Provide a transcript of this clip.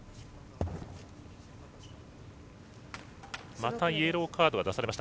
またイエローカードが出されました。